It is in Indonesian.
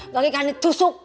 gak ada yang ditusuk